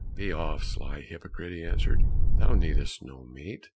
"Be off, sly hypocrite," he answered, "thou needest no meat."